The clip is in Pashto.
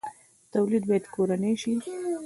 تولید باید کورنی شي